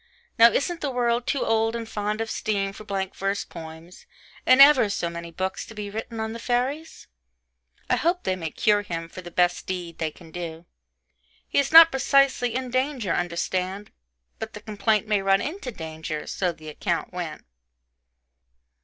Now isn't the world too old and fond of steam, for blank verse poems, in ever so many books, to be written on the fairies? I hope they may cure him, for the best deed they can do. He is not precisely in danger, understand but the complaint may run into danger so the account went.